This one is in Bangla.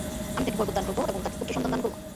আমি তাকে বরকত দান করব এবং তাকে পুত্র সন্তান দান করব।